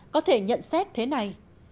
có thể nhận xét thế này